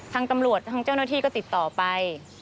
ทางตำรวจทางเจ้าหน้าที่ก็ติดต่อไป